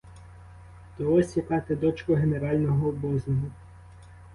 То ось яка ти дочка генерального обозного!